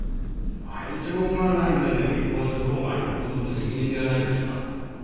愛情がないのに結婚する方がよっぽど無責任ではないですか？